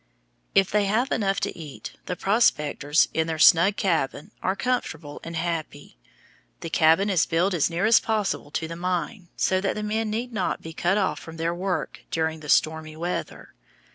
If they have enough to eat, the prospectors, in their snug cabin, are comfortable and happy. The cabin is built as near as possible to the mine, so that the men need not be cut off from their work during the stormy weather.